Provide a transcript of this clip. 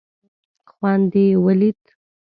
خوند دې یې ولید.